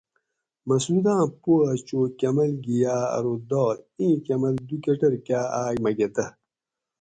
"مسعوداۤں پو اۤ چو کمبل گی یاۤ ارو "" داد اِیں کمبل دُو کٹر کاۤ آک مکہ دہ"""